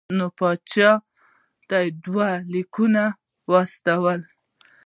نوي پاچا ته دوه لیکونه واستوي.